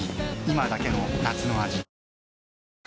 今だけの夏の味